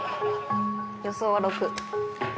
予想は６。